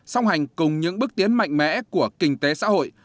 song hành cùng những bước tiến mạnh mẽ của kinh tế xã hội